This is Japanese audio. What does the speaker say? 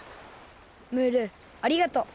ムールありがとう。